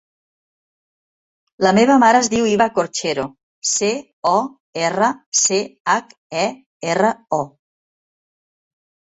La meva mare es diu Hiba Corchero: ce, o, erra, ce, hac, e, erra, o.